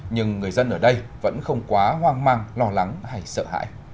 nhưng người dân ở đây vẫn không quá hoang mang lo lắng hay sợ hãi